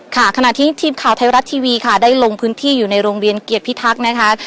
ขณะที่ทีมข่าวไทยรัฐทีวีค่ะได้ลงพื้นที่อยู่ในโรงเรียนเกียรติพิทักษ์นะคะ